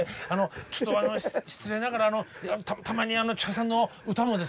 ちょっとあの失礼ながらたまに千春さんの歌もですね